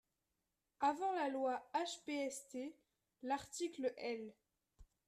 Avant la loi HPST, l’article L.